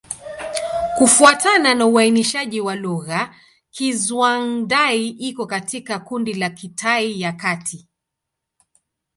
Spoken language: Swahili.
Kufuatana na uainishaji wa lugha, Kizhuang-Dai iko katika kundi la Kitai ya Kati.